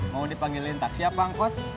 mau dipanggilin taksi apa angkot